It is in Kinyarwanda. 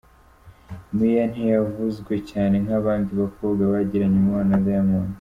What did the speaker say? Mia ntiyavuzwe cyane nk’abandi bakobwa bagiranye umubano na Diamond.